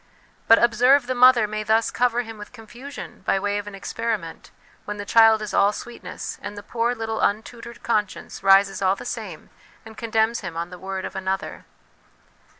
But, observe, the mother may thus cover him with confusion by way of an experiment when the child is all sweetness, and the poor little untutored conscience rises all the same, and condemns him on the word of another.